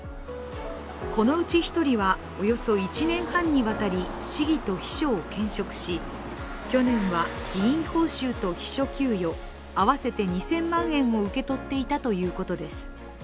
このうち１人は、およそ１年半にわたり市議と秘書を兼職し去年は議員報酬と秘書給与合わせて２０００万円を受け取っていたということです。